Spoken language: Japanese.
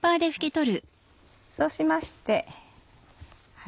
そうしまして。